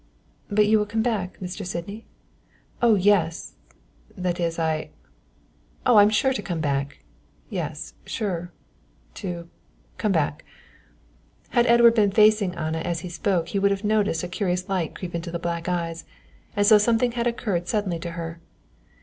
"But you will come back, Mr. Sydney?" "Oh yes that is, I Oh, I'm sure to come back yes sure to come back." Had Edward been facing Anna as he spoke he would have noticed a curious light creep into the black eyes, as though something had occurred suddenly to her.